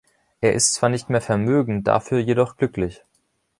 Er ist zwar nicht mehr vermögend, dafür jedoch glücklich.